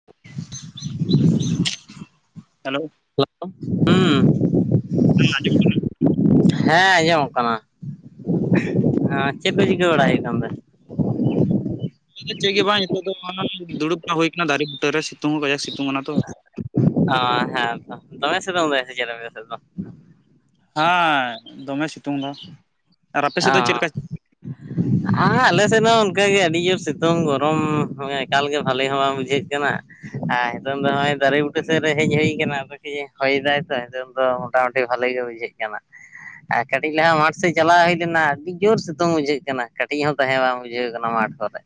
[inaudible] Hello hello ᱦᱮᱸ ᱟᱸᱡᱚᱢ ᱦᱩᱸ ᱦᱮᱸ ᱟᱸᱡᱚᱢᱚᱜ ᱠᱟᱱᱟ ᱪᱮᱫ ᱠᱚ ᱪᱤᱠᱟᱹ ᱵᱟᱲᱟᱭ ᱦᱩᱭᱩᱜ ᱠᱟᱱ ᱛᱟᱦᱮᱸ ᱱᱤᱛᱚᱜ ᱫᱚ ᱪᱮᱫ ᱜᱮ ᱵᱟᱝ ᱱᱤᱛᱚᱜ ᱫᱚ ᱫᱩᱲᱩᱵᱲᱟ ᱦᱩᱭ ᱟᱠᱟᱱᱟ ᱫᱟᱨᱮ ᱵᱩᱴᱟᱹ ᱨᱮ ᱥᱤᱛᱩᱝ ᱦᱚᱸ ᱠᱟᱡᱟᱠ ᱥᱤᱛᱩᱝ ᱠᱟᱱᱟ ᱛᱚ ᱚ ᱦᱮᱸ ᱛᱚ ᱫᱚᱢᱮ ᱥᱮᱛᱳᱝ ᱫᱟᱭ ᱥᱮ ᱪᱮᱫ ᱟᱯᱮ ᱥᱮᱫ ᱫᱚ ᱦᱮᱸ ᱫᱚᱢᱮ ᱥᱤᱛᱩᱝ ᱫᱟ ᱚᱻ [inaudible] ᱟᱨ ᱟᱞᱮ ᱥᱮᱫ ᱦᱚᱸ ᱚᱱᱠᱟᱜᱮ ᱟᱹᱰᱤ ᱡᱳᱨ ᱥᱤᱩᱛᱩᱝ ᱜᱚᱨᱚᱢ ᱦᱚᱸ ᱮᱠᱟᱞᱜᱮ ᱵᱷᱟᱞᱮ ᱦᱚᱸ ᱵᱟᱝ ᱵᱩᱡᱷᱟᱹᱜ ᱠᱟᱱᱟ ᱟᱨ ᱱᱤᱛᱚᱝ ᱫᱚ ᱱᱚᱜᱼᱚᱭ ᱫᱟᱨᱮ ᱵᱩᱴᱟᱹ ᱥᱮᱫ ᱨᱮ ᱦᱮᱡ ᱦᱩᱭ ᱠᱟᱱᱟ ᱟᱫᱚ ᱠᱟ. ᱭᱼᱮ ᱦᱚᱭ ᱫᱟᱭ ᱛᱚ ᱦᱮᱛᱚ ᱛᱚ ᱢᱚᱴᱟᱢᱩᱴᱤ ᱵᱷᱟᱞᱤ ᱜᱮ ᱵᱩᱡᱷᱟᱹᱜ ᱠᱟᱱᱟ ᱟᱨ ᱠᱟᱹᱴᱤᱡ ᱞᱟᱦᱟ ᱢᱟᱴ ᱥᱮᱜ ᱪᱟᱞᱟ ᱦᱩᱭ ᱞᱮᱱᱟ ᱟᱹᱰᱤ ᱡᱳᱨ ᱥᱤᱛᱩᱝ ᱵᱩᱡᱷᱟᱹᱜ ᱠᱟᱱᱟ ᱠᱟᱹᱴᱤᱡ ᱦᱚᱸ ᱛᱟᱦᱮᱸ ᱵᱟᱝ ᱵᱩᱡᱷᱟᱹᱣ ᱠᱟᱱᱟ ᱢᱟᱴᱷ ᱠᱚᱨᱮ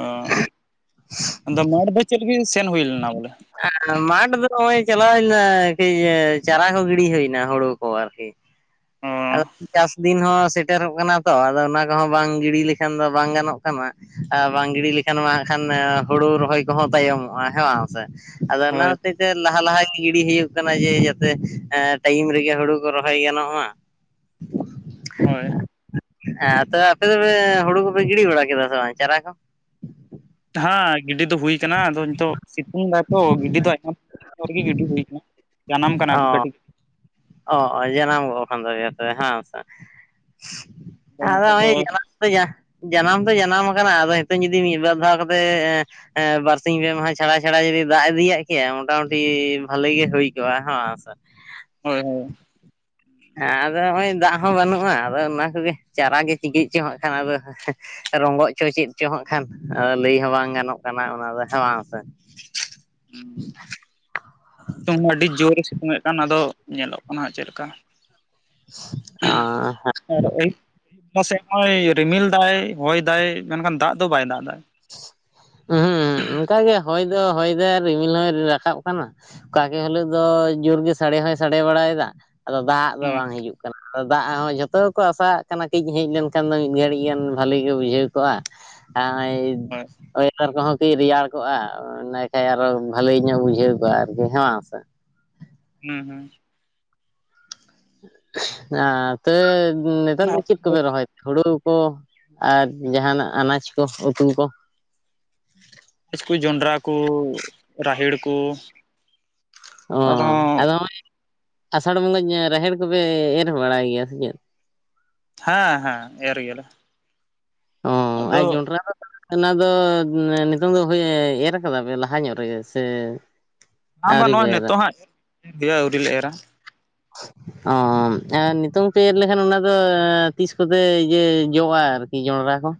ᱚ ᱟᱫᱚ ᱢᱟᱴᱷ ᱫᱚ ᱪᱮᱫ ᱜᱮ ᱥᱮᱱ ᱦᱩᱭ ᱞᱮᱱᱟ ᱵᱚᱞᱮ ᱢᱟᱴ ᱫᱚ ᱱᱚᱜᱼᱚᱭ ᱪᱟᱞᱟᱣ ᱦᱩᱭ ᱞᱮᱱᱟ ᱠᱟᱹᱡ ᱪᱟᱨᱟ ᱠᱚ ᱜᱤᱲᱤ ᱦᱩᱭᱱᱟ ᱦᱩᱲᱩ ᱠᱚ ᱟᱨᱠᱤ ᱚ ᱟᱨ ᱪᱟᱥ ᱫᱤᱱ ᱦᱚᱸ ᱥᱮ- ᱥᱮᱴᱮᱨᱚᱜ ᱠᱟᱱᱟ ᱛᱚ ᱟᱫᱚ ᱚᱱᱟ ᱠᱚᱦᱚᱸ ᱵᱟᱝ ᱜᱤᱰᱤ ᱞᱮᱠᱷᱟᱱ ᱫᱚ ᱵᱟᱝ ᱜᱟᱱᱚᱜ ᱠᱟᱱᱟ ᱟᱨ ᱵᱟᱝ ᱜᱤᱰᱤ ᱞᱮᱠᱷᱟᱱ ᱢᱟ ᱦᱟᱸᱜ ᱠᱷᱟᱱ ᱦᱩᱲᱩ ᱨᱚᱦᱚᱭ ᱠᱚᱦᱚᱸ ᱛᱟᱭᱚᱢᱚᱜᱼᱟ ᱦᱮᱸ ᱵᱟᱝ ᱥᱮ ᱟᱫᱚ ᱚᱱᱟ ᱦᱳᱭ ᱦᱚᱛᱮᱡ ᱛᱮ ᱞᱟᱦᱟ ᱞᱟᱦᱟ ᱜᱤᱰᱤ ᱦᱩᱭᱩᱜ ᱠᱟᱱᱟ ᱡᱮ ᱡᱟᱛᱮ ᱮ ᱴᱟᱭᱤᱢ ᱨᱮᱜᱮ ᱦᱩᱲᱩ ᱠᱚ ᱨᱚᱦᱚᱭ ᱜᱟᱱᱚᱜ ᱢᱟ ᱦᱳᱭ ᱦᱮᱸ ᱛᱚ ᱟᱯᱮ ᱫᱚᱯᱮ ᱦᱩᱲᱩ ᱠᱚᱯᱮ ᱜᱤᱰᱤ ᱵᱟᱲᱟ ᱠᱮᱫᱟ ᱥᱮ ᱵᱟᱝ ᱪᱟᱨᱟ ᱠᱚ ᱦᱮᱸ ᱜᱤᱰᱤ ᱫᱚ ᱦᱩᱭ ᱠᱟᱱᱟ ᱟᱫᱚ ᱱᱤᱛᱚᱜ ᱥᱤᱛᱩᱝ ᱫᱟᱛᱚ ᱜᱤᱰᱤ ᱫᱚ [unintelligible] ᱨᱮᱜᱮ ᱜᱤᱰᱤ ᱦᱩᱭ ᱟᱠᱟᱱᱟ ᱡᱟᱱᱟᱢ ᱠᱟᱱᱟ ᱚ ᱠᱟᱹᱴᱤᱡ ᱚ ᱡᱟᱱᱟᱢ ᱜᱚᱜ ᱠᱷᱟᱱ ᱫᱚ ᱡᱚᱛᱚ ᱦᱮᱸ ᱥᱮ ᱟᱫᱚ ᱱᱤᱛᱚᱜ ᱫᱚ ᱱᱚᱜ-ᱚᱭ ᱡᱟᱱᱟᱢ ᱡᱟᱱᱟᱢ ᱫᱚ ᱡᱟᱱᱟᱢ ᱟᱠᱟᱱᱟ ᱟᱫᱚ ᱱᱤᱛᱚᱝ ᱡᱩᱫᱤ ᱢᱤᱫᱵᱟᱨ ᱫᱷᱟᱣ ᱠᱟᱛᱮ ᱮ ᱦᱮᱸ ᱵᱟᱨᱥᱤᱧ ᱯᱮ ᱢᱟᱦᱟ ᱪᱷᱟᱲᱟ ᱪᱷᱟᱲᱟ ᱡᱩᱫᱤ ᱫᱟᱜ ᱤᱫᱤᱭᱟᱜ ᱠᱮᱭᱟ ᱢᱚᱴᱟᱢᱩᱴᱤ ᱵᱷᱟᱞᱤ ᱜᱮ ᱦᱩᱭ ᱠᱚᱜᱼᱟ ᱦᱮᱸ ᱥᱮ ᱦᱳᱭ ᱦᱳᱭ ᱟᱫᱚ ᱱᱚᱜᱼᱚᱭ ᱫᱟᱜ ᱦᱚᱸ ᱵᱟᱹᱱᱩᱜᱼᱟ ᱟᱫᱚ ᱚᱱᱟ ᱠᱚᱜᱮ ᱪᱟᱨᱟ ᱜᱮ ᱪᱤᱠᱟᱹᱜ ᱪᱚ ᱦᱟᱸᱜ ᱠᱷᱟᱱ ᱟᱫᱚ ᱨᱚᱝᱜᱚᱜ-ᱪᱚ ᱪᱮᱫ-ᱪᱚ ᱦᱟᱸᱜ ᱠᱷᱟᱱ ᱞᱟᱹᱭ ᱦᱚᱸ ᱵᱟᱝ ᱜᱟᱱᱚᱜ ᱠᱟᱱᱟ ᱚᱱᱟ ᱫᱚ ᱦᱮᱸ ᱵᱟᱝ ᱥᱮ [unintelligible] ᱟᱹᱰᱤ ᱡᱳᱨ ᱮ ᱮᱫ ᱠᱟᱱ ᱟᱫᱚ ᱧᱮᱞᱚᱜ ᱠᱟᱱᱟ ᱦᱟᱸᱜ ᱪᱮᱫ ᱞᱮᱠᱟ ᱚ ᱟᱨ ᱟᱹᱭᱩᱵ ᱟᱹᱭᱩᱵ ᱵᱮᱞᱟ ᱥᱮᱫ ᱱᱚᱜᱼᱭ ᱨᱤᱢᱤᱞ ᱫᱟᱭ ᱦᱚᱭ ᱫᱟᱭ ᱢᱮᱱᱠᱷᱟᱱ ᱫᱟᱜ ᱫᱚ ᱵᱟᱭ ᱫᱟᱜ ᱮᱫᱟ ᱦᱮᱸ ᱚᱱᱠᱟᱜᱮ ᱦᱚᱭ ᱫᱚ ᱦᱚᱭ ᱫᱟᱭ ᱟᱨ ᱨᱤᱢᱤᱞ ᱦᱚᱭ ᱨᱟᱠᱟᱵ ᱠᱟᱱᱟ ᱚᱠᱟᱠᱮ ᱦᱤᱞᱳᱜ ᱫᱚ ᱡᱳᱨ ᱜᱮ ᱥᱟᱰᱮ ᱦᱚᱸᱭ ᱥᱟᱰᱮ ᱵᱟᱲᱟᱭᱮᱫᱟ ᱟᱫᱚ ᱫᱟᱜ ᱫᱚ ᱦᱮᱸ ᱵᱟᱝ ᱦᱤᱡᱩᱜ ᱠᱟᱱᱟ ᱫᱟᱜ ᱦᱚᱸ ᱡᱷᱚᱛᱚ ᱜᱮᱠᱚ ᱟᱥᱟᱜ ᱠᱟᱱᱟ ᱠᱟᱹᱡ ᱦᱮᱡ ᱞᱮᱱᱠᱷᱟᱱ ᱫᱚ ᱢᱤᱫ ᱜᱷᱟᱹᱲᱤᱡ ᱜᱟᱱ ᱵᱷᱟᱹᱞᱤ ᱜᱮ ᱵᱩᱡᱷᱟᱹᱣ ᱠᱚᱜᱼᱟ ᱦᱳᱭ [unintelligible] ᱞᱟᱛᱟᱨ ᱠᱚᱦᱚᱸ ᱠᱤ ᱨᱮᱭᱟᱲ ᱠᱚᱜᱼᱟ ᱤᱱᱟᱹ ᱠᱷᱟᱡ ᱟᱨᱚ ᱵᱷᱟᱹᱞᱤ ᱧᱚᱜ ᱵᱩᱡᱷᱟᱹᱣ ᱠᱚᱜᱼᱟ ᱟᱨᱠᱤ ᱦᱮᱸ ᱵᱟᱝ ᱥᱮ ᱦᱮᱸ ᱦᱮᱸ [unintelligible] ᱱᱮᱛᱟᱨ ᱫᱚ ᱪᱮᱫ ᱠᱚᱯᱮ ᱨᱚᱦᱚᱭ ᱦᱳᱲᱳ ᱠᱚ ᱟᱨ ᱡᱟᱦᱟᱱᱟᱜ ᱟᱱᱟᱡᱽ ᱠᱚ ᱩᱛᱩ ᱠᱚ᱾ [unintelligible] ᱠᱚ ᱡᱚᱱᱰᱽᱨᱟ ᱠᱚ ᱨᱟᱦᱮᱲ ᱠᱚ ᱚ ᱟᱨᱦᱚᱸ ᱟᱫᱚ ᱦᱚᱸᱜᱼᱚᱭ ᱟᱥᱟᱲ ᱵᱚᱸᱜᱟ ᱨᱟᱦᱮᱲ ᱠᱚᱯᱮ ᱮᱨ ᱵᱟᱲᱟᱭ ᱜᱮᱭᱟ ᱥᱮ ᱪᱮᱫ? ᱦᱮᱸ ᱦᱮᱸ ᱮᱨ ᱜᱮᱭᱟ ᱞᱮ ᱚ ᱟᱨ ᱡᱚᱸᱰᱨᱟ ᱫᱚ [unintelligible] ᱚᱱᱟ ᱫᱚ ᱱᱤᱛᱚᱝ ᱫᱚ ᱦᱳᱭ ᱮᱨ ᱠᱟᱫᱟ ᱯᱮ ᱞᱟᱦᱟ ᱧᱚᱜ ᱨᱮᱜᱮ ᱥᱮ? ᱵᱟᱝ ᱵᱟᱝ ᱟᱹᱣᱨᱤ ᱯᱮ ᱱᱚᱜᱼᱚᱭ ᱮᱨᱟ ᱱᱤᱛᱚᱜ ᱦᱚᱸ ᱟᱹᱣᱨᱤ ᱞᱮ ᱮᱨᱟ ᱚ ᱟᱨ ᱱᱤᱛᱚᱝ ᱯᱮ ᱮᱨ ᱞᱮᱠᱷᱟᱱ ᱚᱱᱟ ᱫᱚ ᱛᱤᱥ ᱠᱚᱛᱮ ᱩᱭᱟᱹ ᱡᱚᱜᱼᱟ ᱟᱨᱠᱤ ᱡᱚᱸᱰᱨᱟ ᱠᱚ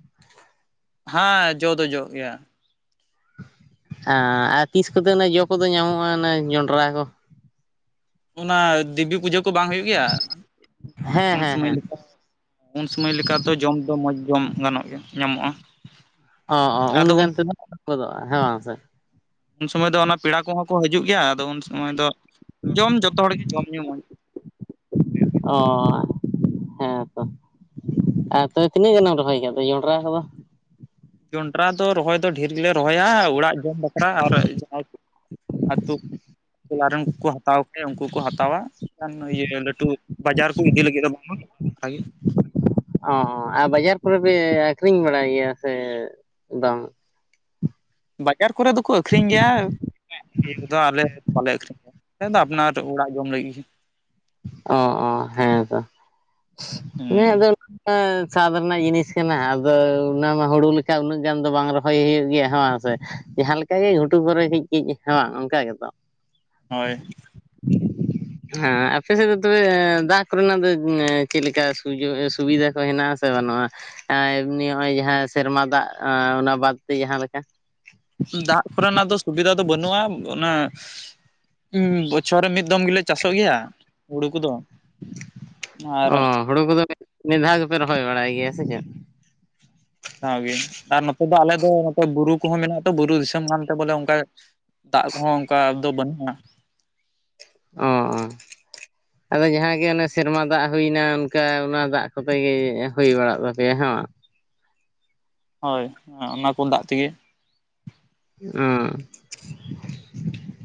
ᱦᱮᱸ ᱡᱚ ᱫᱚ ᱡᱚᱜ ᱜᱮᱭᱟ᱾ ᱟᱸ ᱛᱤᱥ ᱠᱚᱛᱮ ᱡᱚ ᱠᱚᱫᱚ ᱧᱟᱢᱚᱜ-ᱟ ᱚᱱᱮ ᱡᱚᱸᱰᱨᱟ ᱠᱚ? ᱚᱱᱟ ᱫᱮᱵᱤ ᱯᱩᱡᱟᱹ ᱠᱚ ᱵᱟᱝ ᱦᱩᱭᱩᱜ ᱜᱮᱭᱟ ᱦᱮᱸ ᱩᱱ ᱦᱮᱸ ᱥᱩᱢᱟᱹᱭ ᱦᱮᱸ ᱞᱮᱠᱟ ᱩᱱ ᱥᱩᱢᱟᱹᱭ ᱞᱮᱠᱟ ᱛᱚ ᱡᱚᱢ ᱫᱚ ᱢᱚᱸᱡᱽ ᱡᱚᱢ ᱜᱟᱱᱚᱜ ᱜᱮᱭᱟ ᱧᱟᱢᱚᱜ-ᱟ᱾ ᱚᱸ ᱚᱸ ᱩᱱ ᱜᱟᱱ ᱛᱮᱫᱚ [inaudible] ᱜᱚᱫᱚᱜ-ᱟ ᱦᱮᱸ ᱵᱟᱝ ᱥᱮ᱾ ᱩᱱ ᱥᱩᱢᱟᱹᱭ ᱫᱚ ᱚᱱᱟ ᱯᱮᱲᱟ ᱠᱚᱦᱚᱸ ᱠᱚ ᱦᱤᱡᱩᱜ ᱜᱮᱭᱟ ᱟᱫᱚ ᱩᱱ ᱥᱩᱢᱟᱹᱭ ᱫᱚᱼᱼ ᱡᱚᱢ ᱡᱚᱛᱚ ᱦᱚᱲ ᱜᱮ ᱡᱚᱢ ᱧᱩ ᱢᱚᱸᱡᱽᱼᱼ ᱚᱸ᱾ ᱦᱮᱸᱛᱚ᱾ᱟᱨ ᱛᱚᱵᱮ ᱛᱤᱱᱟᱹᱜ ᱜᱟᱱᱮᱢ ᱨᱚᱦᱚᱭ ᱠᱟᱫᱟ ᱡᱚᱸᱰᱨᱟ ᱠᱚᱫᱚ? ᱡᱚᱸᱰᱨᱟ ᱫᱚ ᱨᱚᱦᱚᱭ ᱫᱚ ᱰᱷᱮᱨ ᱜᱮᱞᱮ ᱨᱚᱦᱚᱭᱟ ᱚᱲᱟᱜ ᱡᱚᱢ ᱵᱟᱠᱷᱨᱟ ᱟᱨ ᱡᱟᱦᱟᱸᱭᱼᱼ ᱟᱛᱩ ᱴᱚᱞᱟ ᱨᱮᱱ ᱠᱚᱠᱚ ᱦᱟᱛᱟᱣ ᱠᱷᱟᱡ ᱩᱱᱠᱩ ᱠᱚ ᱦᱟᱛᱟᱣᱟ᱾ ᱟᱱ ᱤᱭᱟᱹ ᱞᱟᱹᱴᱩ ᱵᱟᱡᱟᱨ ᱠᱩ ᱤᱫᱤ ᱞᱟᱹᱜᱤᱫ ᱫᱚ ᱵᱟᱝᱢᱟ ᱚᱱᱠᱟ ᱜᱮ ᱚ ᱟᱨ ᱵᱟᱡᱟᱨ ᱠᱚᱨᱮ ᱯᱮ ᱟᱠᱷᱨᱤᱧ ᱵᱟᱲᱟᱭ ᱜᱮᱭᱟ ᱥᱮ ᱵᱟᱝ? ᱵᱟᱡᱟᱨ ᱠᱚᱨᱮ ᱫᱚᱠᱚ ᱟᱹᱠᱷᱨᱤᱧ ᱜᱮᱭᱟ᱾ [unintelligible] ᱫᱚ ᱟᱞᱮ ᱫᱚ ᱵᱟᱞᱮ ᱟᱹᱠᱷᱨᱤᱧᱟ ᱾ᱟᱞᱮ‌ ᱫᱚ ᱟᱯᱱᱟᱨ ᱚᱲᱟᱜ ᱡᱚᱢ ᱞᱟᱹᱜᱤᱜ ᱜᱮ᱾ ᱚᱸ ᱚᱸ ᱦᱮᱸᱛᱚ ᱤᱧᱟᱹᱜ ᱦᱩᱸ ᱫᱟᱹᱞ ᱮᱸ ᱥᱟᱫᱽ ᱨᱮᱱᱟᱜ ᱡᱤᱱᱤᱥ ᱠᱟᱱᱟ᱾ ᱟᱫᱚ ᱩᱱᱟ ᱢᱟ ᱦᱩᱲᱩ ᱞᱤᱠᱟ ᱩᱱᱟᱹᱜ ᱜᱟᱱ ᱫᱚ ᱵᱟᱝ ᱨᱚᱦᱚᱭ ᱦᱩᱭᱩᱜ ᱜᱮᱭᱟ ᱦᱮ‌ᱸ ᱥᱮ᱾ ᱡᱟᱦᱟᱸ ᱞᱮᱠᱟ ᱜᱮ ᱜᱷᱩᱴᱩ ᱠᱚᱨᱮ ᱠᱟᱹᱡ ᱠᱟᱹᱡ ᱦᱮᱸ ᱵᱟᱝ ᱚᱱᱠᱟ ᱜᱮᱛᱚ᱾ ᱦᱳᱭ᱾ ᱦᱮᱸ ᱟᱯ [unintelligible] ᱛᱚᱵᱮ ᱫᱟᱜ ᱠᱚᱨᱮ ᱱᱟᱜ ᱫᱚ ᱮᱸ ᱪᱮᱜ ᱞᱮᱠᱟ ᱥᱩᱡᱳ ᱥᱩᱵᱤᱫᱟ ᱠᱚ ᱦᱮᱱᱟᱜ-ᱟ ᱥᱮ ᱵᱟᱱᱩᱜ-ᱟ? ᱚᱭ ᱮᱢᱱᱤ ᱦᱚᱸᱜ-ᱚᱭ ᱡᱟᱦᱟᱸ ᱥᱮᱨᱢᱟ ᱫᱟᱜ ᱟᱸ ᱚᱱᱟ ᱵᱟᱫᱽ ᱛᱮ ᱡᱟᱦᱟᱸ ᱞᱮᱠᱟ᱾ ᱫᱟᱜ ᱠᱚᱨᱮ ᱱᱟᱜ ᱫᱚ ᱥᱩᱵᱤᱫᱟ ᱫᱚ ᱵᱟᱹᱱᱩᱜ-ᱟ ᱾ᱚᱱᱟᱼᱼ ᱩᱸ ᱵᱚᱪᱷᱚᱨ ᱨᱮ ᱢᱤᱫ ᱫᱚᱢ ᱜᱮᱞᱮ ᱪᱟᱥᱚᱜ ᱜᱮᱭᱟ᱾ ᱦᱩᱲᱩ ᱠᱚᱫᱚ ᱟᱨ ᱚᱸᱻ ᱦᱩᱲᱩ ᱠᱚᱫᱚ ᱢᱤᱫ ᱫᱷᱟᱣ ᱜᱮᱯᱮ ᱨᱚᱦᱚᱭ ᱵᱟᱲᱟᱭ ᱜᱮᱭᱟ ᱥᱮ ᱪᱮᱫ? ᱛᱟᱣ ᱜᱮ ᱟᱨ ᱱᱚᱛᱮ ᱫᱚ ᱟᱞᱮ ᱫᱚ ᱱᱚᱛᱮ ᱵᱩᱨᱩ ᱠᱚᱦᱚᱸ ᱢᱮᱱᱟᱜ-ᱟ ᱛᱚ ᱵᱩᱨᱩ ᱫᱤᱥᱟᱹᱢ ᱠᱟᱱ ᱛᱮ ᱵᱚᱞᱮ ᱚᱱᱠᱟᱼᱼ ᱫᱟᱜ ᱠᱚᱦᱚᱸ ᱚᱱᱠᱟ ᱫᱚ ᱵᱟᱹᱱᱩᱜ-ᱟ᱾ ᱚᱸᱻᱚᱸ᱾ [inaudible] ᱟᱫᱚ ᱡᱟᱦᱟᱸ ᱜᱮ ᱚᱱᱮ ᱥᱮᱨᱢᱟ ᱫᱟᱜ ᱦᱩᱭᱮᱱᱟ᱾ ᱚᱱᱠᱟ ᱚᱱᱟ ᱫᱟᱜ ᱠᱚᱛᱮ ᱜᱮ ᱮᱸ ᱦᱩᱭ ᱵᱟᱲᱟᱜ ᱛᱟᱯᱮᱭᱟ᱾ᱦᱮᱸ ᱵᱟᱝ? ᱦᱚᱭ ᱚᱱᱟ ᱯᱳᱞ ᱫᱟᱜ ᱛᱮᱜᱤ᱾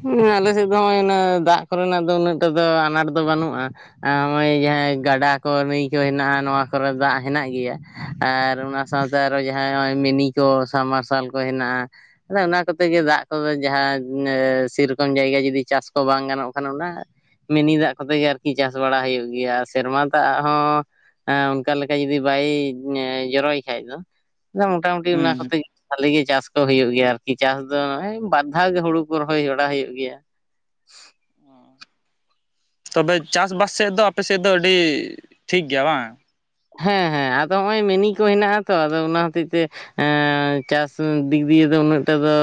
ᱚᱸᱻ᱾ ᱦᱩᱸ ᱟᱞᱮ ᱥᱮᱜ ᱫᱚ ᱦᱚᱸᱜ-ᱚᱸᱭ ᱚᱱᱟ ᱫᱟᱜ ᱠᱚᱨᱮ ᱱᱟᱜ ᱫᱚ ᱩᱱᱟᱹᱜ ᱴᱟ ᱫᱚ ᱟᱱᱟᱴ ᱫᱚ ᱵᱟᱱᱩᱜ-ᱟ᱾ ᱟᱸ ᱦᱚᱸᱜ-ᱚᱸᱭ ᱡᱟᱦᱟᱸᱭ ᱜᱟᱰᱟ ᱠᱚ ᱱᱟᱹᱭ ᱠᱚ ᱦᱮᱱᱟᱜ-ᱟ᱾ᱱᱚᱣᱟ ᱠᱚᱨᱮ ᱫᱟᱜ ᱦᱮᱱᱟᱜ ᱜᱮᱭᱟ᱾ ᱟᱨ ᱚᱱᱟ ᱥᱟᱶᱛᱮ ᱟᱨᱚ ᱡᱟᱦᱟᱸᱭ ᱦᱚᱸᱜ-ᱚᱭ ᱢᱤᱱᱤ ᱠᱚ ᱥᱟᱵᱽᱢᱟᱨᱥᱟᱞ ᱠᱚ ᱦᱮᱱᱟᱜ-ᱟ᱾ ᱟᱫᱚ ᱚᱱᱟ ᱠᱚᱛᱮ ᱜᱮ ᱫᱟᱜ ᱠᱚᱫᱚ ᱡᱟᱦᱟᱸ ᱮ ᱥᱤ ᱨᱚᱠᱚᱢ ᱡᱟᱭᱜᱟ ᱡᱫᱤ ᱪᱟᱥ ᱠᱚ ᱵᱟᱝ ᱜᱟᱱᱚᱜ ᱠᱟᱱᱟ ᱚᱱᱟ᱾ ᱢᱤᱱᱤ ᱫᱟᱜ ᱠᱚᱛᱮ ᱜᱮ ᱟᱨᱠᱤ ᱪᱟᱥ ᱵᱟᱲᱟ ᱦᱩᱭᱩᱜ ᱜᱮᱭᱟ᱾ ᱥᱮᱨᱢᱟ ᱫᱟᱜ ᱦᱚᱸ ᱦᱮᱸ ᱚᱱᱠᱟ ᱞᱮᱠᱟ ᱡᱩᱫᱤ ᱵᱟᱭ ᱧᱮ ᱡᱚᱨᱚᱭ ᱠᱷᱟᱡ ᱫᱚ ᱟᱫᱚ ᱢᱚᱴᱟ ᱢᱩᱴᱤ ᱚᱱᱟ ᱦᱩᱸ ᱠᱚᱛᱮ ᱜᱤ ᱵᱷᱟᱹᱞᱤ ᱜᱤ ᱪᱟᱥ ᱠᱚ ᱦᱩᱭᱩᱜ ᱜᱮᱭᱟ ᱟᱨᱼᱼ ᱠᱤ ᱪᱟᱥ ᱫᱚ ᱱᱚᱜ-ᱚᱸᱭ ᱵᱟᱨ ᱫᱷᱟᱣ ᱜᱮ ᱦᱩᱲᱩ ᱠᱚ ᱨᱚᱦᱚᱭ ᱵᱟᱲᱟ ᱦᱩᱭᱩᱜ ᱜᱮᱭᱟ᱾ ᱦᱩᱸ ᱛᱚᱵᱮ ᱪᱟᱥᱼᱵᱟᱥ ᱥᱮᱜ ᱫᱚ ᱟᱯᱮ ᱥᱮᱜ ᱫᱚ ᱟᱹᱰᱤ ᱴᱷᱤᱠ ᱜᱮᱭᱟ ᱵᱟᱝ? ᱦᱮᱸ ᱦᱮᱸ ᱟᱫᱚ ᱦᱚᱸᱜ-ᱚᱭ ᱢᱤᱱᱤ ᱠᱚ ᱦᱮᱱᱟᱜ- ᱟ ᱛᱚ᱾ ᱟᱫᱚ ᱚᱱᱟ ᱦᱚᱛᱮᱡ ᱛᱮᱼᱼ ᱮᱸ ᱪᱟᱥ ᱫᱤᱠ ᱫᱤᱭᱮ ᱫᱚ ᱩᱱᱟᱹᱜ ᱴᱟ ᱫᱚᱼᱼ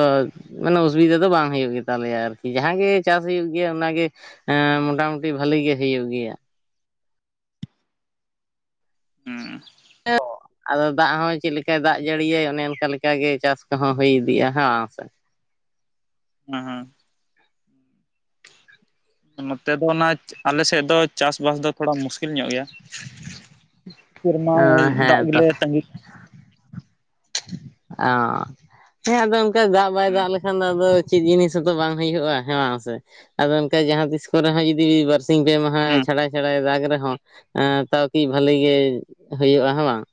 ᱢᱟᱱᱮ ᱚᱥᱩᱵᱤᱫᱟ ᱫᱚ ᱵᱟᱝ ᱦᱩᱭᱩᱜ ᱜᱮ ᱛᱟᱞᱮᱭᱟ ᱟᱨᱠᱤ ᱡᱟᱦᱟᱸ ᱜᱮ ᱪᱟᱥ ᱦᱩᱭᱩᱜ ᱜᱮᱭᱟ ᱚᱱᱟ ᱜᱮᱼᱼ ᱮᱸᱻ ᱢᱚᱴᱟᱼᱢᱩᱴᱤ ᱵᱷᱟᱞᱤ ᱜᱮ ᱦᱩᱭᱩᱜ ᱜᱮᱭᱟ᱾ ᱦᱩᱸ᱾ [unintelligible] ᱟᱫᱚ ᱫᱟᱜ ᱦᱚᱸ ᱪᱮᱜ ᱞᱮᱠᱟᱭ ᱫᱟᱜ ᱡᱟᱹᱲᱤ ᱭᱟᱭ ᱚᱱᱮ ᱚᱱᱠᱟ ᱞᱮᱠᱟ ᱜᱮ ᱪᱟᱥ ᱠᱚᱦᱚᱸ ᱦᱩᱭ ᱤᱫᱤᱜ-ᱟ ᱦᱮᱸ ᱵᱟᱝ ᱥᱮ᱾ ᱚ ᱦᱚᱸ᱾ ᱱᱚᱛᱮ ᱫᱚ ᱚᱱᱟ ᱪ ᱟᱞᱮ ᱥᱮᱜ ᱫᱚ ᱪᱟᱥᱵᱟᱥ ᱫᱚᱼᱼ ᱛᱷᱚᱲᱟ ᱢᱩᱥᱠᱤᱞ ᱧᱚᱜ ᱜᱮᱭᱟ [inaudible] ᱥᱤᱨᱢᱟ ᱚᱸ ᱫᱟᱜ ᱦᱮᱸ ᱛᱚ ᱜᱮᱞᱮ ᱛᱟᱺᱜᱤᱼᱼ ᱟᱸᱻ [unintelligible] ᱦᱮᱸ ᱟᱫᱚ ᱚᱱᱠᱟ ᱫᱟᱜ ᱵᱟᱭ ᱦᱩᱸ ᱫᱟᱜ ᱞᱮᱠᱷᱟᱱ ᱟᱫᱚᱼᱼ ᱪᱮᱫ ᱡᱤᱱᱤᱥ ᱦᱚᱸᱛᱚ ᱵᱟᱝ ᱦᱩᱭᱩᱜ-ᱟ ᱦᱮᱸ ᱵᱟᱝ ᱥᱮ ᱟᱫᱚ ᱚᱱᱠᱟ ᱡᱟᱦᱟᱸ ᱛᱤᱥ ᱠᱚᱨᱮ ᱦᱚᱸ ᱡᱩᱫᱤ ᱵᱟᱨ ᱥᱤᱝ ᱯᱮ ᱢᱟᱦᱟ ᱦᱩᱸ ᱪᱷᱟᱲᱟᱭ-ᱪᱷᱟᱲᱟᱭ ᱫᱟᱜ ᱨᱮᱦᱚᱸ ᱛᱟᱣ ᱠᱤ ᱵᱟᱹᱞᱤ ᱜᱮ ᱦᱩᱭᱩᱜ-ᱟ ᱦᱮᱸ ᱵᱟᱝ?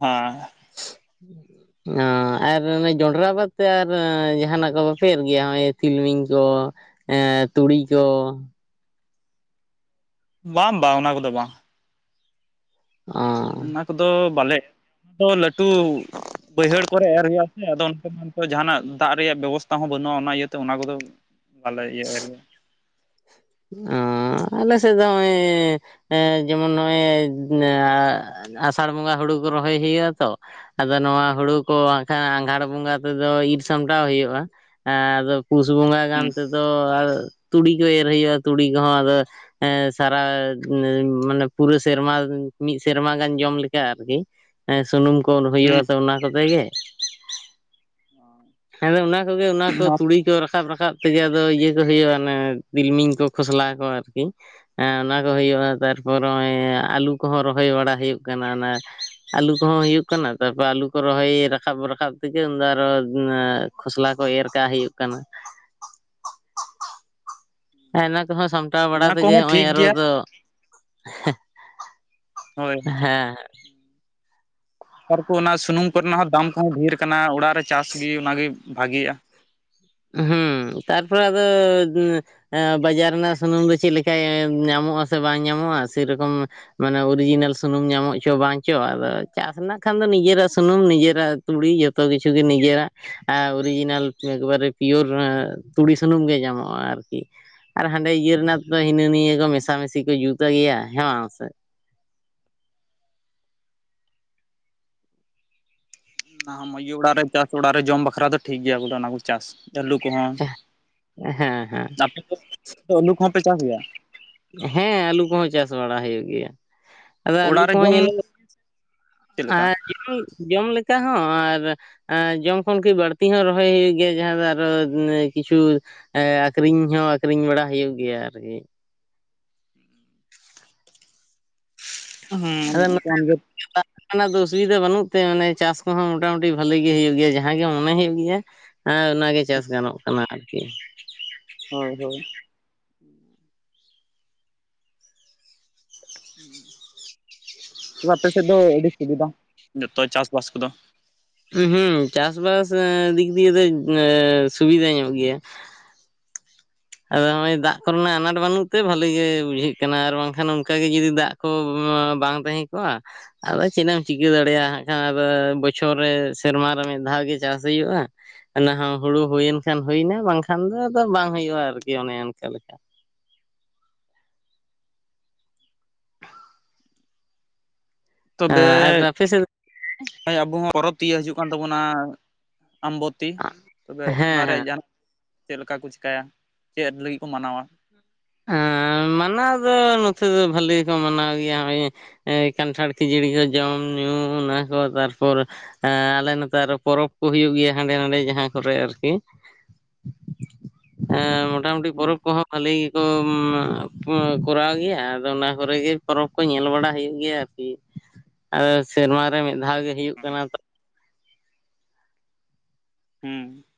ᱦᱚᱭ ᱻ [unintelligible] ᱚ ᱟᱨ ᱡᱚᱱᱰᱨᱟ ᱵᱟᱫ ᱛᱮ ᱟᱨ ᱡᱟᱦᱟᱸᱱᱟᱜ ᱠᱚ ᱵᱟᱯᱮ ᱮᱨ ᱜᱮᱭᱟ ᱱᱚᱜ-ᱚᱭ ᱛᱤᱞᱢᱤᱧ ᱠᱚ? ᱮ ᱛᱩᱲᱤ ᱠᱚ? ᱵᱟᱝ ᱵᱟᱝ ᱚᱱᱟ ᱠᱚᱫᱚ ᱵᱟᱝ ᱾ ᱚ [unintelligible] ᱚᱱᱟ ᱠᱚᱫᱚ ᱵᱟᱞᱮ [inaudible] ᱚᱱᱟ ᱫᱚ ᱞᱟᱹᱴᱩ [inaudible] ᱵᱟᱹᱭᱦᱟᱹᱲ ᱠᱚᱨᱮ ᱮᱨ ᱦᱩᱭᱩᱜ-ᱟ ᱥᱮ ᱟᱫᱚ ᱚᱱᱟ ᱠᱚᱨᱮ ᱡᱟᱦᱟᱱᱟᱜ ᱫᱟᱜ ᱨᱮᱭᱟᱜ ᱵᱮᱵᱚᱥᱛᱷᱟ ᱦᱚᱸ ᱵᱟᱹᱱᱩᱜ-ᱟ ᱚᱱᱟ ᱤᱭᱟᱹᱛᱮ ᱚᱱᱟ ᱠᱚᱫᱚ [inaudible] ᱵᱟᱞᱮ ᱤᱭᱟᱹᱭᱟ ᱾ ᱚᱸᱻ ᱟᱞᱮ ᱥᱮᱜ ᱫᱚ ᱦᱚᱸᱜ-ᱚᱹᱭ ᱡᱮᱢᱚᱱ ᱱᱚᱜ-ᱚᱭ [unintelligible] ᱟᱥᱟᱲ ᱵᱚᱸᱜᱟ ᱦᱳᱲᱳ ᱠᱚ ᱨᱚᱦᱚᱭ ᱦᱩᱭᱩᱜ-ᱟ ᱛᱚ ᱟᱫᱚ ᱱᱚᱣᱟ ᱦᱩᱲᱩ ᱠᱚ ᱦᱮ ᱟᱸᱜᱷᱟᱲ ᱵᱚᱸᱜᱟ ᱛᱮᱫᱚ ᱤᱨ ᱥᱟᱢᱴᱟᱣ ᱦᱩᱭᱩᱜ-ᱟ ᱮᱸᱻ ᱟᱫᱚ ᱯᱩᱥ ᱵᱚᱸᱜᱟ ᱦᱩᱸ ᱜᱟᱱ ᱛᱮᱫᱚ ᱛᱩᱲᱤ ᱠᱚ ᱮᱨ ᱦᱩᱭᱩᱜ-ᱟ ᱛᱩᱲᱤ ᱠᱚᱦᱚᱸ ᱟᱫᱚ ᱮᱸ ᱥᱟᱨᱟ [unintelligible] ᱢᱟᱱᱮ ᱯᱩᱨᱟᱹ ᱥᱮᱨᱢᱟ ᱢᱤᱫ ᱥᱮᱨᱢᱟ ᱜᱟᱱ ᱡᱚᱢ ᱞᱮᱠᱟ ᱟᱨᱠᱤ ᱾ ᱮ ᱥᱩᱱᱩᱢ ᱠᱚ ᱦᱩᱸ ᱦᱩᱭᱩᱜ-ᱟ ᱛᱚ ᱚᱱᱟ ᱠᱚᱛᱮ ᱜᱮ ᱾ ᱦᱮᱸᱫᱚ ᱚᱱᱟ ᱠᱚᱜᱮ ᱚᱱᱟ ᱠᱚ ᱦᱩᱸ ᱛᱩᱲᱤ ᱠᱚ ᱨᱟᱠᱟᱵ-ᱨᱟᱠᱟᱵ ᱛᱮᱜᱮ ᱟᱫᱚ ᱤᱭᱟᱹ ᱠᱚ ᱦᱩᱭᱩᱜ-ᱟ ᱚᱱᱮ ᱛᱤᱞᱢᱤᱧ ᱠᱚ ᱠᱷᱚᱥᱞᱟ ᱠᱚ ᱟᱨᱠᱤ ᱾ ᱦᱮᱸ ᱚᱱᱟ ᱠᱚ ᱦᱩᱭᱩᱜ-ᱟ ᱛᱟᱨᱯᱚᱨᱮ ᱟᱹᱞᱩ ᱠᱚᱦᱚᱸ ᱨᱚᱦᱚᱭ ᱵᱟᱲᱟ ᱦᱩᱭᱩᱜ ᱠᱟᱱᱟ ᱚᱱᱟ ᱟᱞᱩ ᱠᱚᱦᱚᱸ ᱦᱩᱭᱩᱜ ᱠᱟᱱᱟ ᱛᱟᱨ ᱯᱚᱨ ᱟᱞᱩ ᱠᱚ ᱨᱚᱦᱚᱭ ᱨᱟᱠᱟᱵ-ᱨᱟᱠᱟᱵ ᱛᱮᱜᱮ ᱩᱱᱫᱚ ᱟᱨᱚ ᱮ ᱠᱷᱚᱥᱞᱟ ᱠᱚ ᱮᱨ ᱠᱟᱜ ᱦᱩᱭᱩᱜ ᱠᱟᱱᱟ ᱾ ᱚᱱᱟ ᱠᱚᱦᱚᱸ ᱥᱟᱢᱴᱟᱣ ᱵᱟᱲᱟ ᱚᱱᱟ ᱛᱮᱜᱮ ᱠᱚᱦᱚᱸ ᱱᱚᱜ-ᱚᱭ ᱴᱷᱤᱠ ᱟᱨᱚ ᱜᱮᱭᱟ ᱫᱚ [unintelligible] ᱦᱳᱭ ᱦᱮᱸ ᱱᱮᱛᱟᱨ ᱠᱚ ᱚᱱᱟ ᱥᱩᱱᱩᱢ ᱠᱚᱨᱮᱱᱟᱜ ᱦᱚᱸ ᱫᱟᱢ ᱠᱚᱦᱚᱸ ᱰᱷᱮᱨ ᱟᱠᱟᱱᱟ ᱚᱲᱟᱜ ᱨᱮ ᱪᱟᱥ ᱜᱮ ᱚᱱᱟᱜᱮ ᱵᱷᱟᱜᱤᱜ-ᱟ ᱾ ᱦᱩᱸ ᱛᱟᱨᱯᱚᱨ ᱟᱫᱚ ᱵᱟᱡᱟᱨ ᱨᱮᱱᱟᱜ ᱥᱩᱱᱩᱢ ᱫᱚ ᱪᱮᱫ ᱞᱮᱠᱟᱭ ᱧᱟᱢᱚᱜ ᱟᱥᱮ ᱵᱟᱝ ᱧᱟᱢᱚᱜ-ᱟ ᱥᱮᱨᱚᱠᱚᱢ ᱢᱟᱱᱮ ᱚᱨᱤᱡᱤᱱᱟᱞ ᱥᱩᱱᱩᱢ ᱧᱟᱢᱚᱜ ᱪᱚ ᱵᱟᱝ ᱪᱚ ᱟᱫᱚ ᱪᱟᱥ ᱨᱮᱱᱟᱜ ᱠᱷᱟᱱ ᱫᱚ ᱱᱤᱡᱮᱨᱟᱜ ᱥᱩᱱᱩᱢ ᱱᱤᱡᱮᱨᱟᱜ ᱛᱩᱲᱤ ᱡᱚᱛᱚ ᱠᱤᱪᱷᱩ ᱜᱮ ᱱᱤᱡᱮᱨᱟᱜ ᱚᱨᱤᱡᱤᱱᱟᱞ ᱮᱠᱵᱟᱨᱮ ᱯᱤᱭᱳᱨ ᱛᱩᱲᱤ ᱥᱩᱱᱩᱢ ᱜᱮ ᱧᱟᱢᱚᱜ-ᱟ ᱟᱨᱠᱤ ᱾ ᱟᱨ ᱦᱟᱸᱰᱮ ᱤᱭᱟᱹ ᱨᱮᱱᱟᱜ ᱛᱚ ᱦᱤᱱᱟᱹ ᱱᱤᱭᱟᱹ ᱠᱚ ᱢᱮᱥᱟ-ᱢᱤᱥᱤ ᱠᱚ ᱡᱩᱛ ᱜᱮᱭᱟ ᱦᱮᱸ ᱵᱟᱝ ᱥᱮ ᱾ ᱚᱱᱟ ᱦᱚᱸ [unintelligible] ᱚᱲᱟᱜ ᱨᱮ ᱪᱟᱥ ᱚᱲᱟᱜ ᱨᱮ ᱡᱚᱢ ᱵᱟᱠᱷᱨᱟ ᱫᱚ ᱴᱷᱤᱠ ᱜᱮᱭᱟ ᱵᱚᱞᱮ ᱚᱱᱟ [unintelligible] ᱪᱟᱥ ᱾ ᱟᱹᱞᱩ ᱠᱚᱦᱚᱸ ᱦᱮᱸ ᱦᱮᱸ [unintelligible] ᱟᱯᱮ ᱫᱚ [unintelligible] ᱟᱹᱞᱩ ᱠᱚᱦᱚᱸ ᱯᱮ ᱪᱟᱥ ᱜᱮᱭᱟ? ᱦᱮᱸ ᱟᱹᱞᱩ ᱠᱚᱦᱚᱸ ᱪᱟᱥ ᱵᱟᱲᱟ ᱦᱩᱭᱩᱜ ᱜᱮᱭᱟ ᱾ ᱟᱫᱚ ᱟᱹᱞᱩ ᱚᱲᱟᱜ ᱨᱮ ᱠᱚᱦᱚᱸ ᱡᱚᱢ ᱧᱮᱞᱚᱜ [unintelligible] ᱪᱮᱫ ᱞᱮᱠᱟ ᱟᱨ [unintelligible] ᱡᱚᱢ ᱞᱮᱠᱟ ᱦᱚᱸ ᱟᱨ ᱮ ᱡᱚᱢ ᱠᱷᱚᱱ ᱠᱤ ᱵᱟᱹᱲᱛᱤ ᱦᱚᱸ ᱨᱚᱦᱚᱭ ᱦᱩᱭᱩᱜ ᱜᱮᱭᱟ ᱡᱟᱦᱟᱸ ᱫᱚ ᱟᱨᱚ ᱠᱤᱪᱷᱩ ᱮ ᱟᱠᱷᱨᱤᱧ ᱦᱚᱸ ᱟᱠᱷᱨᱤᱧ ᱵᱟᱲᱟ ᱦᱩᱭᱩᱜ ᱜᱮᱭᱟ ᱟᱨᱠᱤ ᱾ ᱦᱮᱸ ᱚᱱᱠᱟᱱ ᱜᱮ ᱾ ᱚᱝᱠᱟᱱᱟᱜ ᱫᱚ ᱚᱥᱩᱵᱤᱫᱷᱟ ᱵᱟᱹᱱᱩᱜ ᱛᱮ ᱢᱟᱱᱮ ᱪᱟᱥ ᱠᱚᱦᱚᱸ ᱢᱚᱴᱟ-ᱢᱩᱴᱤ ᱵᱟᱹᱞᱤ ᱜᱮ ᱦᱩᱭᱩᱜ ᱜᱮᱭᱟ ᱡᱟᱦᱟᱸ ᱜᱮ ᱢᱚᱱᱮ ᱦᱩᱭᱩᱜ ᱜᱮᱭᱟ ᱾ ᱦᱮᱸ ᱚᱱᱟᱜᱮ ᱪᱟᱥ ᱜᱟᱱᱚᱜ ᱠᱟᱱᱟ ᱟᱨᱠᱤ ᱾ ᱦᱚᱭ ᱦᱚᱭ ᱾ [unintelligible] ᱟᱯᱮ ᱥᱮᱫ ᱫᱚ ᱟᱹᱰᱤ ᱥᱩᱵᱤᱫᱟ [inaudible] ᱡᱚᱛᱚ ᱪᱟᱥ-ᱵᱟᱥ ᱠᱚᱫᱚ ᱾ ᱦᱩᱸ ᱦᱩᱸ ᱪᱟᱥᱵᱟᱥ ᱫᱤᱠ ᱫᱤᱭᱮ ᱫᱚ ᱥᱩᱵᱤᱫᱟ ᱧᱚᱜ ᱜᱮᱭᱟ ᱾ ᱟᱫᱚ ᱱᱚᱜ-ᱚᱭ ᱫᱟᱜ ᱠᱚ ᱨᱮᱱᱟᱜ ᱟᱱᱟᱴ ᱵᱟᱹᱱᱩᱜ ᱛᱮ ᱵᱷᱟᱹᱞᱤ ᱜᱮ ᱵᱩᱡᱷᱟᱹᱜ ᱠᱟᱱᱟ ᱟᱨ ᱵᱟᱝᱠᱷᱟᱱ ᱚᱱᱠᱟ ᱜᱮ ᱡᱩᱫᱤ ᱫᱟᱜ ᱼᱼ ᱠᱚ ᱵᱟᱝ ᱛᱟᱦᱮᱸ ᱠᱚᱜ-ᱟ ᱼᱼ ᱟᱫᱚ ᱪᱮᱫ ᱮᱢ ᱪᱤᱠᱟᱹ ᱫᱟᱲᱮᱭᱟᱜ-ᱟ ᱠᱷᱟᱱ ᱵᱚᱪᱷᱚᱨ ᱨᱮ ᱥᱮᱨᱢᱟ ᱨᱮ ᱢᱤᱫ ᱫᱷᱟᱣ ᱜᱮ ᱪᱟᱥ ᱦᱩᱭᱩᱜᱼᱟ ᱾ ᱚᱱᱟ ᱦᱚᱸ ᱦᱩᱲᱩ ᱦᱩᱭᱮᱱ ᱠᱷᱟᱱ ᱦᱩᱭᱮᱱᱟ ᱵᱟᱝᱠᱷᱟᱱ ᱫᱚ ᱟᱫᱚ ᱵᱟᱝ ᱦᱩᱭᱩᱜᱼᱟ ᱟᱨᱠᱤ ᱚᱱᱮ ᱚᱱᱠᱟ ᱞᱮᱠᱟ ᱾ ᱛᱚᱵᱮ ᱟᱨ ᱟᱯᱮ ᱥᱮᱫ ᱟᱵᱚ ᱦᱚᱸ ᱯᱚᱨᱚᱵᱽ ᱛᱤᱭᱳᱜ ᱦᱤᱡᱩᱜ ᱠᱟᱱ ᱛᱟᱵᱚᱱᱟ ᱾ ᱟᱢᱵᱚᱛᱤ ᱛᱚᱵᱮ ᱚᱱᱟ ᱦᱮᱸ ᱨᱮ ᱦᱮᱸ ᱡᱟᱦᱟᱱᱟᱜ ᱪᱮᱫ ᱞᱮᱠᱟ ᱠᱚ ᱪᱤᱠᱟᱹᱭᱟ ᱪᱮᱫ ᱞᱟᱹᱜᱤᱫ ᱠᱚ ᱢᱟᱱᱟᱣᱟ? ᱦᱮᱸ ᱢᱟᱱᱟᱣ ᱫᱚ ᱱᱚᱛᱮ ᱫᱚ ᱵᱷᱟᱹᱞᱤ ᱜᱮᱠᱚ ᱢᱟᱱᱟᱣ ᱜᱮᱭᱟ ᱱᱚᱜ-ᱚᱭ ᱼᱼ ᱠᱟᱱᱴᱷᱟᱲ ᱠᱷᱟᱹᱡᱟᱹᱲᱤ ᱠᱚ ᱡᱚᱢ ᱧᱩ ᱚᱱᱟ ᱠᱚ ᱛᱟᱨᱯᱚᱨ ᱼᱼ ᱮᱻ ᱟᱞᱮ ᱱᱚᱛᱮ ᱟᱨᱚ ᱯᱚᱨᱚᱵᱽ ᱠᱚ ᱦᱩᱭᱩᱜ ᱜᱮᱭᱟ ᱦᱟᱸᱰᱮ ᱱᱟᱰᱮ ᱡᱟᱦᱟᱸ ᱠᱚᱨᱮ ᱟᱨᱠᱤ ᱼᱼ ᱦᱮᱸ ᱢᱚᱴᱟᱢᱩᱴᱤ ᱯᱚᱨᱚᱵᱽ ᱦᱩᱸ ᱠᱚᱦᱚᱸ ᱵᱷᱟᱹᱞᱤᱼᱼ [unintelligible] ᱠᱚᱨᱟᱣ ᱜᱮᱭᱟ ᱟᱫᱚ ᱚᱱᱟ ᱠᱚᱨᱮ ᱜᱮ ᱯᱚᱨᱚᱵᱽ ᱠᱚ ᱧᱮᱞ ᱵᱟᱲᱟ ᱦᱩᱭᱩᱜ ᱜᱮᱭᱟ ᱟᱨᱠᱤ ᱾ ᱟᱫᱚ ᱥᱮᱨᱢᱟ ᱨᱮ ᱢᱤᱫ ᱫᱷᱟᱣ ᱜᱮ ᱦᱩᱭᱩᱜ ᱠᱟᱱᱟ ᱛᱚ ᱾ ᱦᱩᱸ ᱾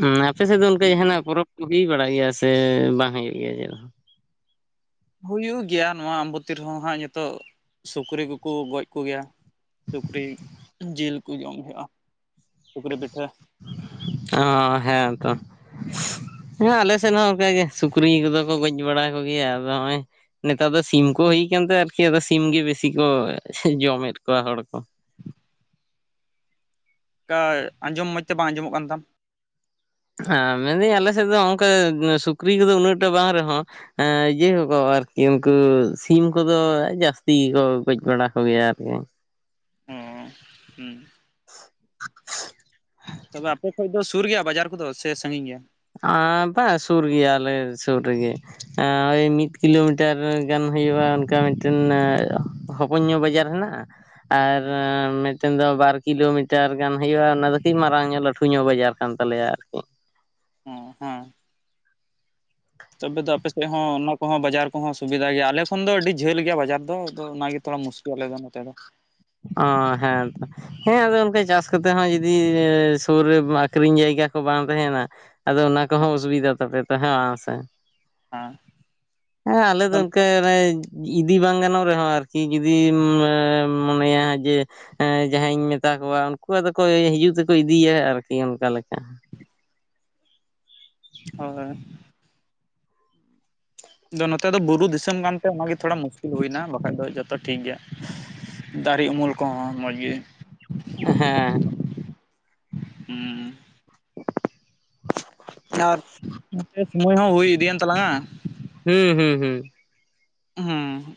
ᱦᱮᱸ ᱟᱯᱮ ᱥᱮᱫ ᱫᱚ ᱚᱱᱠᱟ ᱡᱟᱦᱟᱱᱟᱜ ᱯᱚᱨᱚᱵᱽ ᱠᱚ ᱦᱩᱭ ᱵᱟᱲᱟᱜ ᱜᱮᱭᱟ ᱥᱮ ᱵᱟᱝ ᱦᱩᱭᱩᱜ ᱜᱮᱭᱟ ᱪᱮᱫᱦᱚᱸ? ᱦᱩᱭᱩᱜ ᱜᱮᱭᱟ ᱱᱚᱣᱟ ᱟᱢᱵᱩᱛᱤ ᱨᱮᱦᱚᱸ ᱦᱟᱸᱜ ᱱᱤᱛᱚᱜ ᱥᱩᱠᱨᱤ ᱠᱩᱠᱩ ᱜᱚᱡ ᱠᱚ ᱜᱮᱭᱟ ᱾ ᱥᱩᱠᱨᱤ ᱡᱤᱞ ᱠᱩ ᱡᱚᱢ ᱦᱩᱭᱩᱜᱼᱟ, ᱥᱩᱠᱨᱤ ᱯᱤᱴᱷᱟᱹ ᱾ ᱚᱻ ᱦᱮᱸ ᱛᱚ ᱾ ᱦᱮᱸ ᱟᱞᱮᱥᱮᱫ ᱦᱚᱸ ᱚᱱᱠᱟᱜᱮ ᱥᱩᱠᱨᱤ ᱠᱚ ᱫᱚ ᱠᱚ ᱜᱚᱡ ᱵᱟᱲᱟ ᱠᱚ ᱜᱮᱭᱟ ᱟᱫᱚ ᱱᱚᱜᱼᱚᱭ ᱼᱼ ᱱᱮᱛᱟᱨ ᱫᱚ ᱥᱤᱢ ᱠᱚ ᱦᱩᱭᱛᱮ ᱟᱨᱠᱤ ᱥᱤᱢ ᱜᱮ ᱵᱮᱥᱤ ᱠᱚ ᱡᱚᱢ ᱮᱫ ᱠᱚᱣᱟ ᱦᱚᱲ ᱠᱚ ᱾ ᱠᱟ ᱟᱸᱡᱚᱢ ᱢᱚᱡᱽ ᱛᱮ ᱵᱟᱝ ᱟᱸᱡᱚᱢᱚᱜ ᱠᱟᱱ ᱛᱟᱢ ᱾ ᱦᱮᱸ ᱢᱮᱱᱫᱟᱹᱧ ᱟᱞᱮ ᱥᱮᱫ ᱫᱚ ᱚᱱᱠᱟ ᱥᱩᱠᱨᱤ ᱠᱚᱫᱚ ᱩᱱᱟᱹᱜᱴᱟ ᱵᱟᱝ ᱨᱮᱦᱚᱸᱼᱼ ᱡᱮ ᱠᱚ ᱟᱨᱠᱤ ᱩᱱᱠᱩ ᱥᱤᱢ ᱠᱚᱫᱚ ᱡᱟᱹᱥᱛᱤ ᱜᱮᱠᱚ ᱜᱚᱡ ᱵᱟᱲᱟ ᱠᱚ ᱜᱮᱭᱟ ᱟᱨᱠᱤ ᱾ ᱚ ᱦᱩᱸ ᱛᱚᱵᱮ ᱟᱯᱮ ᱠᱷᱚᱡ ᱫᱚ ᱼᱼ ᱥᱩᱨ ᱜᱮᱭᱟ ᱵᱟᱡᱟᱨ ᱠᱚᱫᱚ ᱥᱮ ᱥᱟᱺᱜᱤᱧ ᱜᱮᱭᱟ? ᱟᱸ ᱵᱟᱝ ᱥᱩᱨ ᱜᱮᱭᱟ ᱟᱞᱮ ᱥᱩᱨ ᱨᱮᱜᱮ ᱾ ᱳᱭ ᱢᱤᱫ ᱠᱤᱞᱳᱢᱤᱴᱟᱨ ᱜᱟᱱ ᱦᱩᱭᱩᱜᱼᱟ ᱚᱱᱠᱟ ᱢᱤᱫᱴᱮᱱ ᱼᱼ ᱦᱚᱯᱚᱱ ᱧᱚᱜ ᱵᱟᱡᱟᱨ ᱦᱮᱱᱟᱜᱼᱟ ᱟᱨ ᱢᱤᱫᱴᱮᱱ ᱫᱚ ᱵᱟᱨ ᱼᱼ ᱠᱤᱞᱳᱢᱤᱴᱟᱨ ᱜᱟᱱ ᱦᱩᱭᱩᱜᱼᱟ ᱚᱱᱟ ᱫᱚ ᱠᱟᱹᱡ ᱢᱟᱨᱟᱝ ᱧᱚᱜ ᱞᱟᱹᱴᱷᱩ ᱧᱚᱜ ᱵᱟᱡᱟᱨ ᱠᱟᱱ ᱛᱟᱞᱮᱭᱟ ᱟᱨᱠᱤ ᱾ ᱚᱸ ᱦᱚᱸ ᱾ ᱛᱚᱵᱮ ᱫᱚ ᱟᱯᱮ ᱥᱮᱫ ᱦᱚᱸ ᱚᱱᱟ ᱠᱚᱦᱚᱸ ᱵᱟᱡᱟᱨ ᱠᱚᱦᱚᱸ ᱥᱩᱵᱤᱫᱷᱟ ᱜᱮᱭᱟ ᱟᱞᱮ ᱠᱷᱚᱱ ᱫᱚ ᱟᱹᱰᱤ ᱡᱷᱟᱹᱞ ᱜᱮᱭᱟ ᱵᱟᱡᱟᱨ ᱫᱚ ᱟᱫᱚ ᱚᱱᱟᱜᱮ ᱛᱷᱚᱲᱟ ᱢᱩᱥᱠᱤᱞᱼᱼ ᱟᱞᱮ ᱫᱚ ᱱᱚᱛᱮ ᱫᱚ ᱾ ᱚᱸ ᱦᱮᱸ ᱛᱚ ᱾ ᱦᱮᱸ ᱟᱫᱚ ᱚᱱᱠᱟ ᱪᱟᱥ ᱠᱟᱛᱮᱜ ᱦᱚᱸ ᱡᱩᱫᱤ ᱥᱩᱨ ᱨᱮ ᱟᱠᱷᱨᱤᱧ ᱡᱟᱭᱜᱟ ᱠᱚ ᱵᱟᱝ ᱛᱟᱦᱮᱱᱟ ᱾ ᱟᱫᱚ ᱚᱱᱟ ᱠᱚᱦᱚᱸ ᱚᱥᱩᱵᱤᱫᱟ ᱛᱟᱯᱮ ᱛᱚ ᱦᱮᱸ ᱵᱟᱝ ᱥᱮ ᱾ ᱦᱮᱸ ᱟᱞᱮ ᱫᱚ ᱚᱱᱠᱟ ᱼᱼ ᱤᱫᱤ ᱵᱟᱝ ᱜᱟᱱᱚᱜ ᱨᱮᱦᱚᱸ ᱟᱨᱠᱤ ᱡᱩᱫᱤᱢ ᱢᱚᱱᱮᱭᱟ ᱡᱮ ᱼᱼ ᱡᱟᱦᱟᱭᱤᱧ ᱢᱮᱛᱟ ᱠᱚᱣᱟ ᱩᱱᱠᱩ ᱫᱚ ᱠᱚ ᱦᱤᱡᱩᱜ ᱛᱮᱠᱚ ᱤᱫᱤᱭᱟ ᱟᱨᱠᱤ ᱚᱱᱠᱟ ᱞᱮᱠᱟ ᱾ ᱦᱳᱭ ᱾ ᱱᱚᱛᱮ ᱫᱚ ᱵᱩᱨᱩ ᱫᱤᱥᱚᱢ ᱠᱟᱱ ᱛᱮ ᱚᱱᱟᱜᱮ ᱛᱷᱚᱲᱟ ᱢᱩᱥᱠᱤᱞ ᱦᱩᱭᱮᱱᱟ ᱵᱟᱠᱷᱟᱡ ᱫᱚ ᱡᱚᱛᱚ ᱴᱷᱤᱠ ᱜᱮᱭᱟ ᱾ ᱫᱟᱨᱤ ᱩᱢᱩᱞ ᱠᱚᱦᱚᱸ ᱢᱚᱡᱽ ᱜᱤ ᱾ ᱦᱮᱸ ᱾ ᱦᱩᱸ ᱾ [inaudible] ᱟᱨ ᱼᱼ ᱥᱚᱢᱚᱭ ᱦᱚᱸ ᱦᱩᱭ ᱤᱫᱤᱭᱮᱱ ᱛᱟᱞᱟᱝᱼᱟ ᱾ ᱦᱩᱸ ᱦᱩᱸ ᱦᱩᱸ ᱾ ᱩᱦᱚᱸ᱾